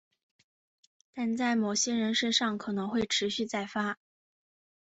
但在某些人身上可能会持续再发。